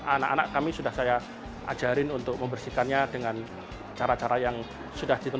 anak anak kami sudah saya ajarin untuk membersihkannya dengan cara cara yang sudah ditemukan